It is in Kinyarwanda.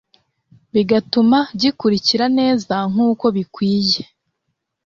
bigatuma gikura neza nkuko bikwiye